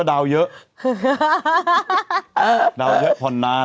ดาวเยอะผ่อนนาน